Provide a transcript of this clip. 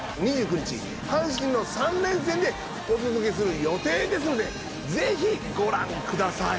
２９日阪神の３連戦でお届けする予定ですのでぜひご覧ください！